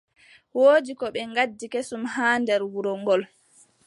Woodi ko ɓe ngaddi kesum haa nder wuro ngol.